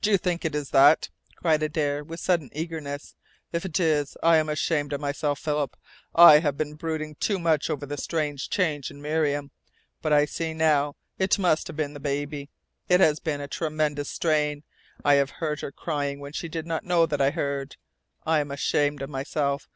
"Do you think it is that?" cried Adare with sudden eagerness. "If it is, I am ashamed of myself, Philip! I have been brooding too much over the strange change in Miriam. But I see now. It must have been the baby. It has been a tremendous strain. I have heard her crying when she did not know that I heard. I am ashamed of myself.